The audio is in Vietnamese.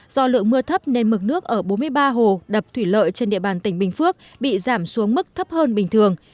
do lượng mưa thấp nên mực nước ở bốn mươi ba hồ đập thủy lợi trên địa bàn tỉnh bình phước bị giảm xuống mức thấp hơn bình thường